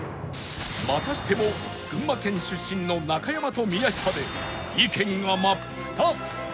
またしても群馬県出身の中山と宮下で意見が真っ二つ！